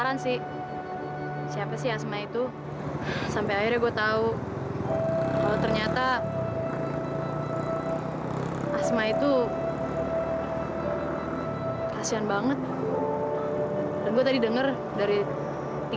dan sorry ya kayaknya lo harus ngelupain asma deh